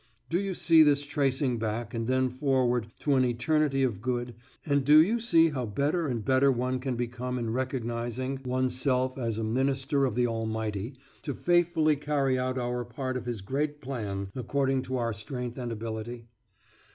(Do you see this tracing back, and then forward, to an eternity of good, and do you see how better and better one can become in recognising one's self as a minister of the Almighty to faithfully carry out our part of His great plan according to our strength and ability?)